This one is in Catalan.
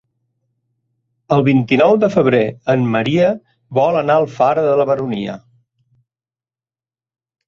El vint-i-nou de febrer en Maria vol anar a Alfara de la Baronia.